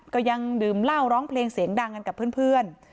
ก็ยังดื่มเหล้าร้องเพลงเสียงดังกันกับเพื่อน